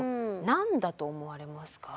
何だと思われますか。